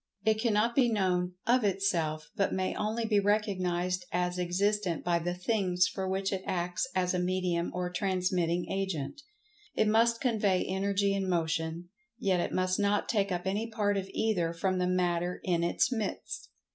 It cannot be known "of itself," but may only be recognized as existent by the "things" for which it acts as a medium or transmitting agent. It must convey Energy and Motion, yet it must not take up any part of either from the Matter in its midst.